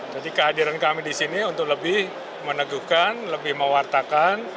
jadi kehadiran kami di sini untuk lebih meneguhkan lebih mewartakan